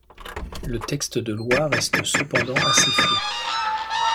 Le texte de loi reste cependant assez flou.